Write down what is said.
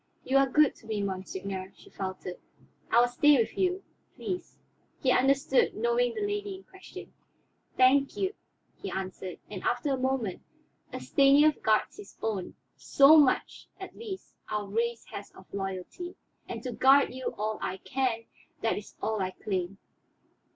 "You are good to me, monseigneur," she faltered. "I will stay with you, please." He understood, knowing the lady in question. "Thank you," he answered, and after a moment, "A Stanief guards his own; so much, at least, our race has of loyalty. And to guard you all I can, that is all I claim.